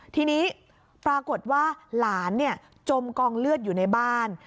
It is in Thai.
ทีนี้ปรากฏว่าหลานจมกองเลือดอยู่ในบ้าน